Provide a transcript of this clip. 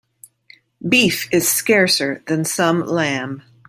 Beef is scarcer than some lamb.